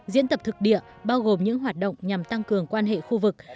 diễn tập thực địa bao gồm những hoạt động nhằm tăng cường quan hệ khu vực